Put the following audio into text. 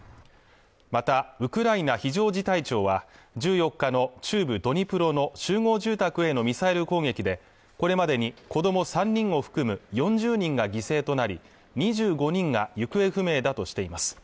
またウクライナ非常事態庁は１４日の中部ドニプロの集合住宅へのミサイル攻撃でこれまでに子ども３人を含む４０人が犠牲となり２５人が行方不明だとしています